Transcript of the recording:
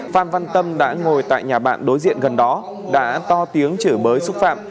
phan văn tâm đã ngồi tại nhà bạn đối diện gần đó đã to tiếng chửi bới xúc phạm